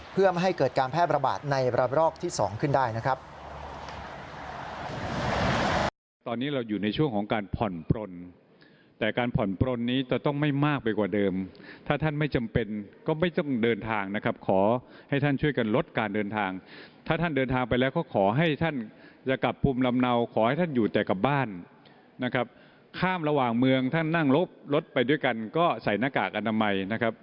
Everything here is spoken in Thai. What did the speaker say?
เพื่อไม่ให้เกิดการแพร่ระบาดในระบรอกที่๒ขึ้นได้นะครับ